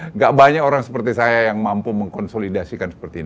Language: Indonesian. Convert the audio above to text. tidak banyak orang seperti saya yang mampu mengkonsolidasikan seperti ini